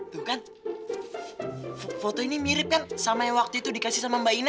tuh kan foto ini mirip kan sama yang waktu itu dikasih sama mbak ina